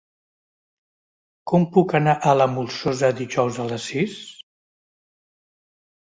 Com puc anar a la Molsosa dijous a les sis?